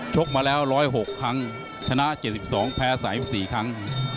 กมาแล้ว๑๐๖ครั้งชนะ๗๒แพ้๓๔ครั้ง